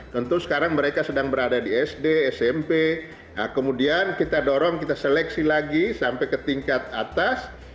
tentu sekarang mereka sedang berada di sd smp kemudian kita dorong kita seleksi lagi sampai ke tingkat atas